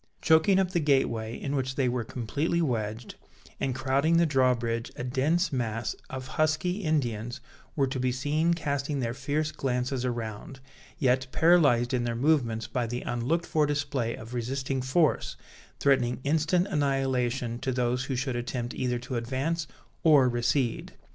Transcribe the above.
Choking up the gateway, in which they were completely wedged, and crowding the drawbridge, a dense mass of "husky" Indians were to be seen casting their fierce glances around, yet paralyzed in their movements by the unlooked for display of resisting force, threatening instant annihilation to those who should attempt either to advance or recede.